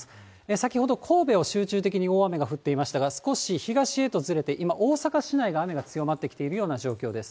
先ほど神戸を集中的に大雨が降っていましたが、少し東へとずれて、今、大阪市内が雨が強まってきているような状況です。